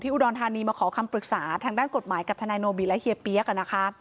อุดรธานีมาขอคำปรึกษาทางด้านกฎหมายกับทนายโนบิและเฮียเปี๊ยกนะคะ